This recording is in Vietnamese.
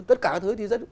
tất cả thứ thì rất